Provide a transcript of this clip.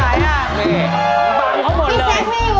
พี่หอยคิดถึงอัปเดตมากเลยนะพี่หอยบอก